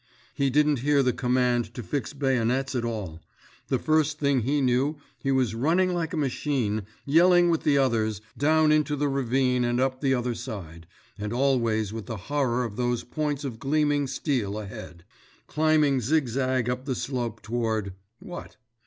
He didn't hear the command to fix bayonets at all; the first thing he knew he was running like a machine, yelling with the others, down into the ravine and up the other side, and always with the horror of those points of gleaming steel ahead, climbing zig zag up the slope toward—what?